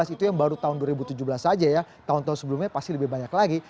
itu yang baru tahun dua ribu tujuh belas saja ya tahun tahun sebelumnya pasti lebih banyak lagi